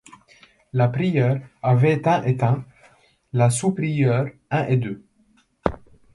La prieure avait un et un; la sous-prieure un et deux.